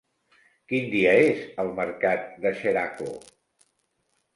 Quin dia és el mercat de Xeraco?